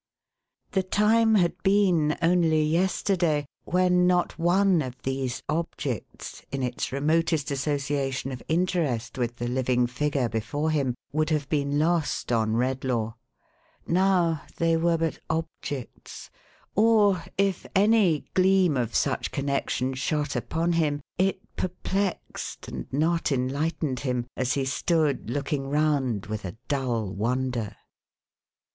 The time had been, only yesterday, when not one of these objects, in its remotest association of interest with the living figure before him, would have been lost on Redlaw. Now, they were but objects ; or, if any gleam of such connexion shot upon him, it perplexed, and not enlightened him, as he stood looking round with a dull wonder.